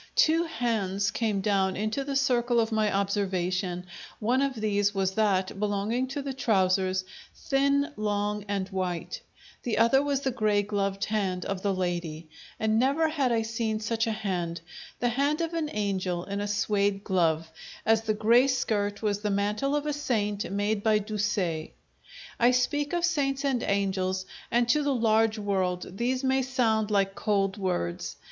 Two hands came down into the circle of my observation; one of these was that belonging to the trousers, thin, long, and white; the other was the grey gloved hand of the lady, and never had I seen such a hand the hand of an angel in a suede glove, as the grey skirt was the mantle of a saint made by Doucet. I speak of saints and angels; and to the large world these may sound like cold words.